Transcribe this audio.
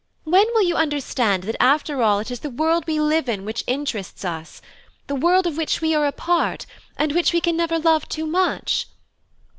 When will you understand that after all it is the world we live in which interests us; the world of which we are a part, and which we can never love too much?